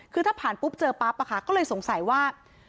คือถ้าผ่านปุ๊บเจอปั๊บก็เลยสงสัยว่า